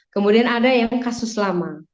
kemudian ada yang kasus lama